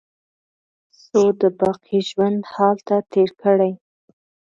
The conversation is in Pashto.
څو د باقي ژوند هلته تېر کړي.